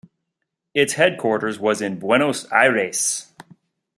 Its headquarters was in Buenos Aires.